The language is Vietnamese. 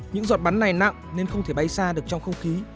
những giọt bắn này nặng nên không thể bay xa được trong không khí